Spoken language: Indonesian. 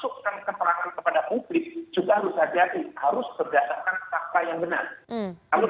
kalau dalam ilmu penyidikannya itu kan mengungkapkan apa yang ada fakta